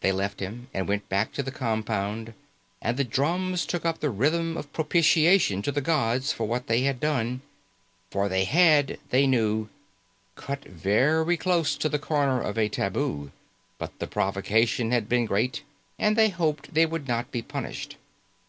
They left him, and went back to the compound, and the drums took up the rhythm of propitiation to the gods for what they had done. For they had, they knew, cut very close to the corner of a tabu but the provocation had been great and they hoped they would not be punished.